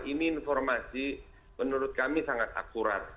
ini informasi menurut kami sangat akurat